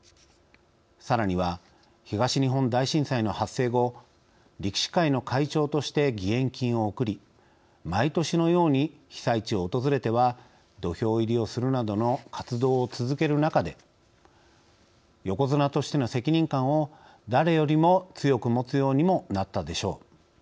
さらには東日本大震災の発生後力士会の会長として義援金を送り毎年のように被災地を訪れては土俵入りをするなどの活動を続ける中で横綱としての責任感を誰よりも強く持つようにもなったでしょう。